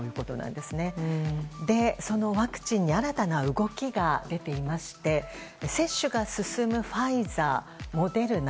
で、そのワクチンに新たな動きが出ていまして接種が進むファイザー、モデルナ